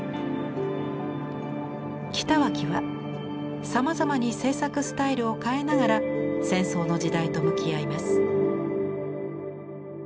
北脇はさまざまに制作スタイルを変えながら戦争の時代と向き合います。